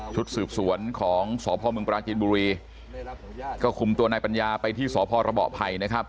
ชุดสืบสวนของสพมปราจีนบุรีก็คุมตัวนายปัญญาไปที่สพรบภัยนะครับ